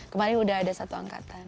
kemarin udah ada satu angkatan